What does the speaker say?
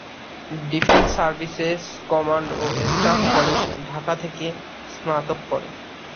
Defence services command ও staff college Dhaka থেকে স্নাতক করেন।